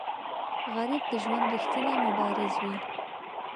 غریب د ژوند ریښتینی مبارز وي